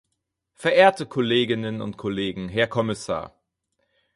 Verehrte Kolleginnen und Kollegen, Herr Kommissar!